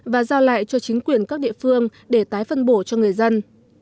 và giao lại cho chính quyền các địa phương để tái phân bổ cho người dân